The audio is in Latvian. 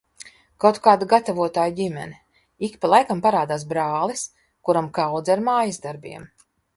Kaut kāda gatavotāju ģimene. Ik pa laikam parādās brālis, kuram kaudze ar mājasdarbiem.